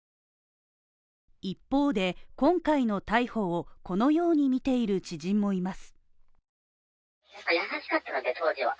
一方で、今回の逮捕をこのように見ている知人もいます。